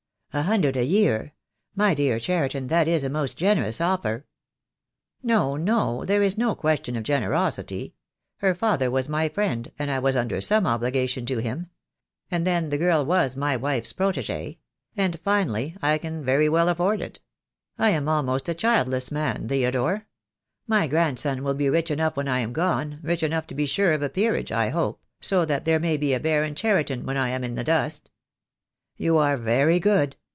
"A hundred a year! My dear Cheriton, that is a most generous offer." "No, no, there is no question of generosity. Her father was my friend, and I was under some obligation to him. And then the girl was my wife's protegee; and, finally, I can very well afford it. I am almost a childless man, Theodore. My grandson will be rich enough when I am gone, rich enough to be sure of a peerage, I hope, so that there may be a Baron Cheriton when I am in the dust." "You are very good.